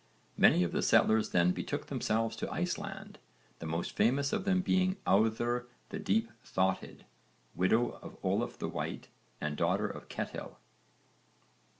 Many of the settlers then betook themselves to Iceland, the most famous of them being Auðr the deep thoughted, widow of Olaf the White and daughter of Ketill.